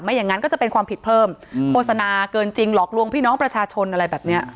อย่างนั้นก็จะเป็นความผิดเพิ่มโฆษณาเกินจริงหลอกลวงพี่น้องประชาชนอะไรแบบเนี้ย